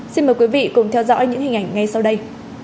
xin mời quý vị cùng theo dõi những hình ảnh ngay sau đây